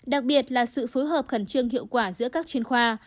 đặc biệt là sự phối hợp khẩn trương hiệu quả giữa các chuyên khoa